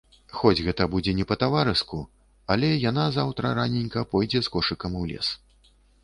Хоць гэта будзе не па-таварыску, але яна заўтра раненька пойдзе з кошыкам у лес.